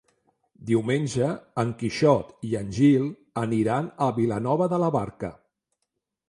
Diumenge en Quixot i en Gil aniran a Vilanova de la Barca.